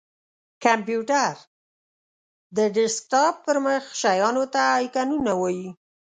کمپېوټر:د ډیسکټاپ پر مخ شېانو ته آیکنونه وایې!